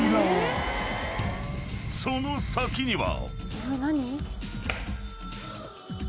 ［その先には］